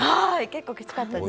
結構きつかったです」